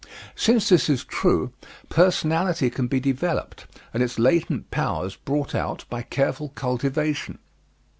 Since this is true, personality can be developed and its latent powers brought out by careful cultivation.